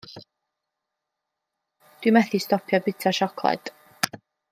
Dw i methu stopio byta siocled.